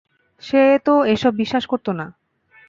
সে তো এসব বিশ্বাস করত না।